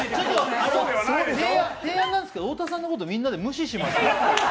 提案なんですけど、太田さんのことみんなで無視しましょう。